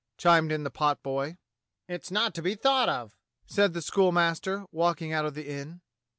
chimed in the potboy. "It's not to be thought of," said the schoolmaster, walking out of the inn.